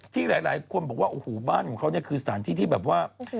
ที่หลายคนบอกว่าโอ้โหบ้านของเขาเนี่ยคือสถานที่ที่แบบว่า